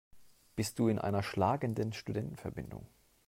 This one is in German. Bist du in einer schlagenden Studentenverbindung?